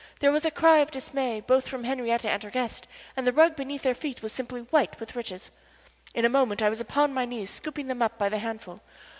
There was a cry of dismay both from Henriette and her guest, and the rug beneath their feet was simply white with riches. In a moment I was upon my knees scooping them up by the handful.